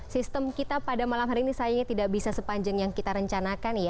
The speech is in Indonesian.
sistem kita pada malam hari ini sayangnya tidak bisa sepanjang yang kita rencanakan ya